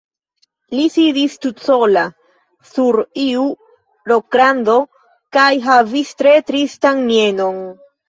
Li sidis tutsola sur iu rokrando, kaj havis tre tristan mienon.